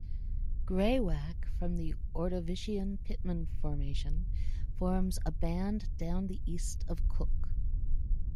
Greywacke from the Ordovician Pittman Formation forms a band down the east of Cook.